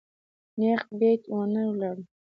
نېغ بېټ ون ته ولاړو.